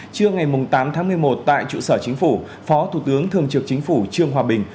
trưa ngày tám tháng một mươi một tại trụ sở chính phủ phó thủ tướng thường trực chính phủ trương hòa bình